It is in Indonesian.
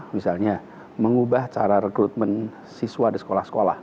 misalnya mengubah cara rekrutmen siswa di sekolah sekolah